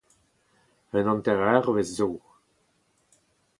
un hantereurvezh zo